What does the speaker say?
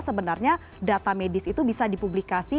sebenarnya data medis itu bisa dipublikasi